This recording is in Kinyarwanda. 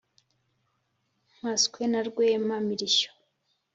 mpatswe na rwenda-mirishyo.